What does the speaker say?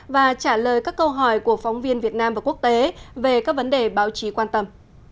và trả lời các câu hỏi của phóng viên việt nam và quốc tế về các vấn đề báo chí quan tâm